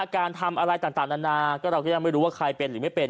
การทำอะไรต่างนานาก็เราก็ยังไม่รู้ว่าใครเป็นหรือไม่เป็น